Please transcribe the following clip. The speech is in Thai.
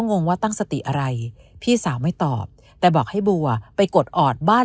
งงว่าตั้งสติอะไรพี่สาวไม่ตอบแต่บอกให้บัวไปกดออดบ้าน